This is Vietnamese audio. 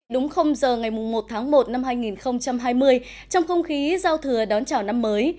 đúng giờ ngày một tháng một năm hai nghìn hai mươi trong không khí giao thừa đón chào năm mới